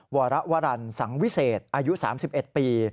วรวรรณสังวิเศษอายุ๓๑ปี